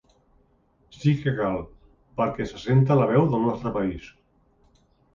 Sí que cal, perquè se senta la veu del nostre país.